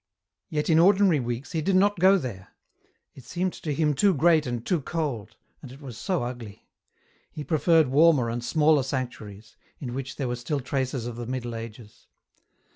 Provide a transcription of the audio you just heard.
24 EN ROUTE. Yet, in ordinary weeks he did not go there ; it seemed to him too great and too cold, and it was so ugly. He preferred warmer and smaller sanctuaries, in which there were still traces of the Middle Ages.